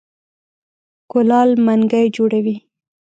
کولال منګی جوړوي.